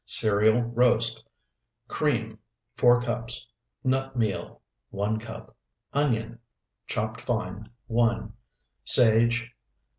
CEREAL ROAST Cream, 4 Cups. Nut meal, 1 cup. Onion, chopped fine, 1. Sage.